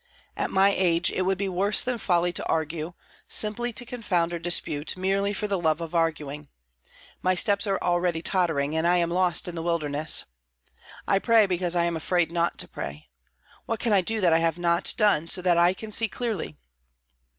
At my age, it would be worse than folly to argue, simply to confound or dispute merely for the love of arguing. My steps are already tottering, and I am lost in the wilderness. I pray because I am afraid not to pray. What can I do that I have not done, so that I can see clearly?"